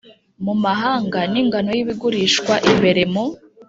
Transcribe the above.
mu mahanga n ingano y ibigurishwa imbere mu